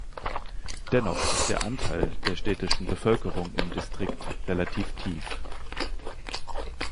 Dennoch ist der Anteil der städtischen Bevölkerung im Distrikt relativ tief.